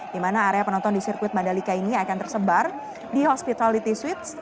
dimana area penonton di sirkuit mandalika ini akan tersebar di hospitality suites